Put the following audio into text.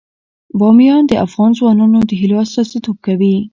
بامیان د افغان ځوانانو د هیلو استازیتوب کوي.